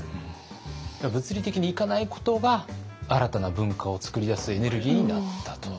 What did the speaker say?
物理的に行かないことが新たな文化を作り出すエネルギーになったと。